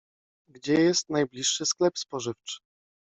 Gdzie jest najbliższy sklep spożywczy?